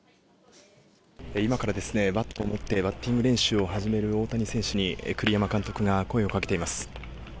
今からバットを持ってバッティング練習を始める大谷選手に栗山監督が声をかけています。